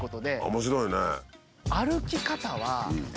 面白いね。